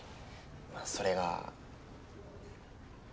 まぁそれが。